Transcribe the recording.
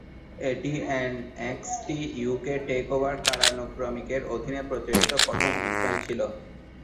এটি NXT UK TakeOver কালানুক্রমিকের অধীনে প্রচারিত প্রথম অনুষ্ঠান ছিল।